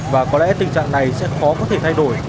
và có lẽ tình trạng này sẽ khó có thể thay đổi